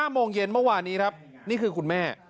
โมงเย็นเมื่อวานนี้ครับนี่คือคุณแม่